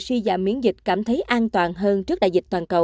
suy giảm miễn dịch cảm thấy an toàn hơn trước đại dịch toàn cầu